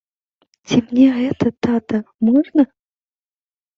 Ці мне гэта, тата, можна?